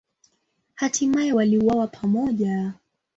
Hatimaye waliuawa pamoja.